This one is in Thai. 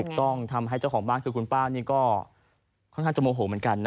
ถูกต้องทำให้เจ้าของบ้านคือคุณป้านี่ก็ค่อนข้างจะโมโหเหมือนกันนะ